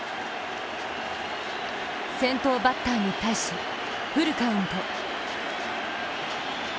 先頭バッターに対し、フルカウント。